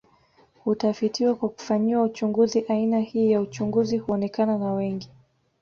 Hutafitiwa kwa kufanyiwa uchunguzi aina hii ya uchunguzi huonekana na wengi